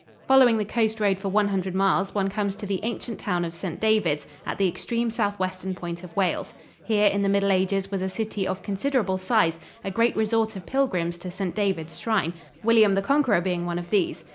Following the coast road for one hundred miles, one comes to the ancient town of St. Davids, at the extreme southwestern point of Wales. Here in the Middle Ages was a city of considerable size, a great resort of pilgrims to St. David's shrine, William the Conqueror being one of these.